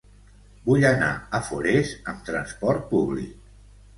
Vull anar a Forès amb trasport públic.